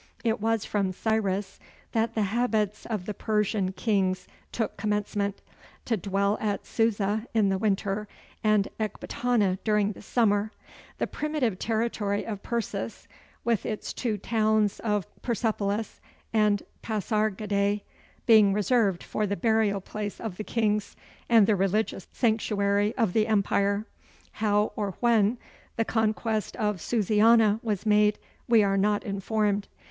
It was from Cyrus that the habits of the Persian kings took commencement, to dwell at Susa in the winter, and Ekbatana during the summer; the primitive territory of Persis, with its two towns of Persepolis and Pasargadæ, being reserved for the burial place of the kings and the religious sanctuary of the empire. How or when the conquest of Susiana was made, we are not informed.